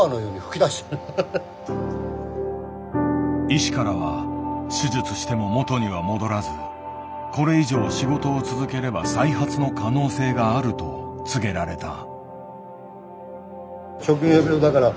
医師からは手術しても元には戻らずこれ以上仕事を続ければ再発の可能性があると告げられた。